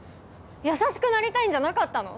優しくなりたいんじゃなかったの？